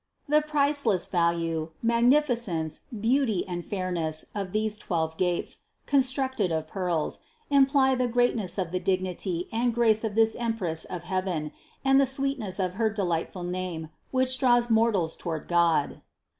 The priceless value, magnificence, beauty and fair ness of these twelve gates, constructed of pearls, imply the greatness of the dignity and grace of this Empress of heaven, and the sweetness of her delightful name, which draws mortals toward God.